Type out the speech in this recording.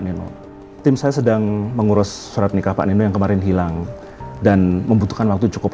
nino tim saya sedang mengurus surat nikah pak nino yang kemarin hilang dan membutuhkan waktu cukup